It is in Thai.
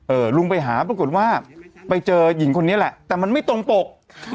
ลุงไปหาปรากฏว่าไปเจอหญิงคนนี้แหละแต่มันไม่ตรงปกค่ะ